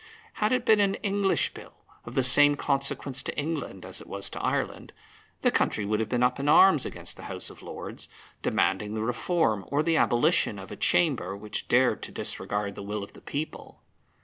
Had it been an English Bill of the same consequence to England as it was to Ireland, the country would have been up in arms against the House of Lords, demanding the reform or the abolition of a Chamber which dared to disregard the will of the people.